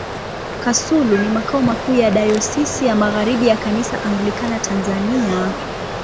Kasulu ni makao makuu ya Dayosisi ya Magharibi ya Kanisa Anglikana Tanzania.